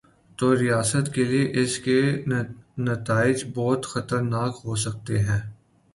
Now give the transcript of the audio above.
توریاست کے لیے اس کے نتائج بہت خطرناک ہو سکتے ہیں۔